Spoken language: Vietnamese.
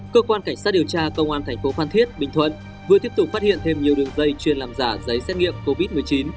cơ quan cảnh sát điều tra công an thành phố phan thiết bình thuận vừa tiếp tục phát hiện thêm nhiều đường dây chuyên làm giả giấy xét nghiệm covid một mươi chín